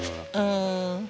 うん。